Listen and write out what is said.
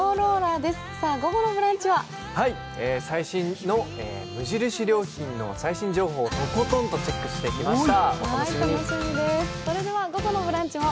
最新の無印良品の情報をとことんチェックしました。